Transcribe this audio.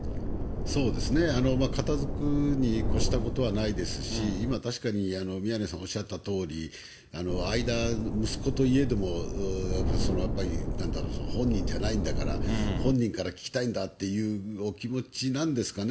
そうですね、片づくにこしたことはないですし、確かに宮根さんおっしゃったとおり、間、息子といえどもやっぱり、なんだろう、本人じゃないんだから、本人から聞きたいんだというお気持ちなんですかね。